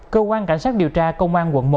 cơ quan cảnh sát điều tra công an quận một